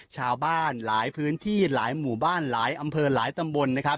ชาวบ้านหลายพื้นที่หลายหมู่บ้านหลายอำเภอหลายตำบลนะครับ